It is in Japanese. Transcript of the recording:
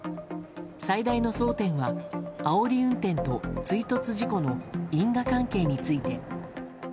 最大の争点はあおり運転と追突事故の因果関係について。